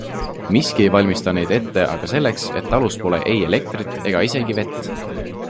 Miski ei valmista neid ette aga selleks, et talus pole ei elektrit ega isegi vett!